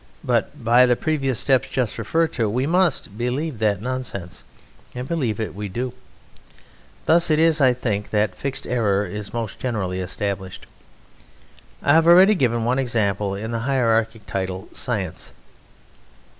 But by the previous steps just referred to we must believe that nonsense, and believe it we do. Thus it is, I think, that fixed error is most generally established. I have already given one example in the hierarchic title "Science."